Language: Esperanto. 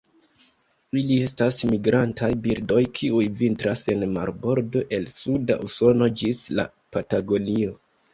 Ili estas migrantaj birdoj kiuj vintras en marbordo el suda Usono ĝis la Patagonio.